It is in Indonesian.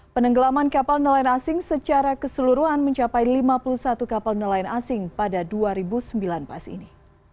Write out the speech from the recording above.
penenggelaman kapal nelayan asing secara keseluruhan mencapai lima puluh satu kapal nelayan asing pada dua ribu sembilan belas ini